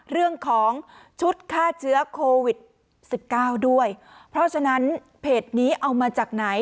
เรื่องของชุดฆ่าเชื้อโควิดสิบเก้าด้วยเพราะฉะนั้นเพจนี้เอามาจากไหน